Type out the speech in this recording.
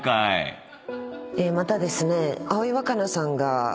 またですね。